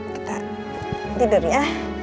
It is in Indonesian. kita tidur ya